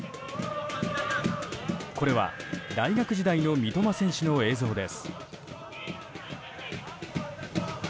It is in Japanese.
これは大学時代の三笘選手の映像です。